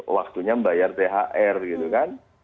waktunya membayar thr gitu kan